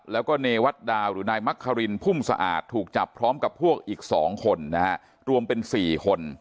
แล้วก็เนวัตดาวหรือนายมักคารินพุ่มสะอาดถูกจับพร้อมกับพวกอีก๒คนนะฮะรวมเป็น๔คน